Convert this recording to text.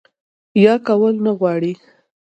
يا کول نۀ غواړي